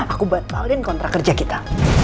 aku batalin kontrak kerja kita